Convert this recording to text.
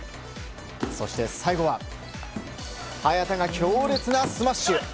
そして、最後は早田が強烈なスマッシュ！